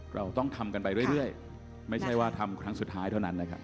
เราต้องทำกันไปเรื่อยไม่ใช่ว่าทำครั้งสุดท้ายเท่านั้นนะครับ